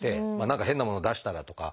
何か変なものを出したらとか。